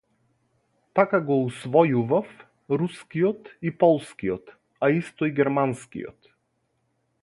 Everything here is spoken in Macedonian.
Така го усвојував рускиот и полскиот, а исто и германскиот.